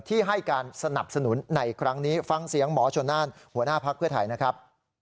ที่ให้การสนับสนุนในครั้งนี้ฟังเสียงหมอชนน่านหัวหน้าพักเพื่อไทยนะครับ